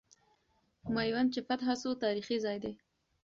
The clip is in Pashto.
میوند چې فتح سو، تاریخي ځای دی.